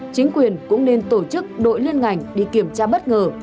chính quyền cũng nên tổ chức đội liên ngành đi kiểm tra bất ngờ